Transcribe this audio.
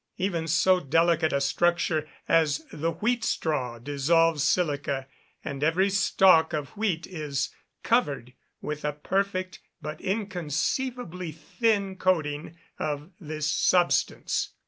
Even so delicate a structure as the wheat straw dissolves silica, and every stalk of wheat is covered with a perfect, but inconceivably thin coating of this substance.